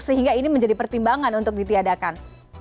sehingga ini menjadi pertimbangan untuk ditiadakan